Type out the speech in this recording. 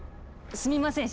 すみません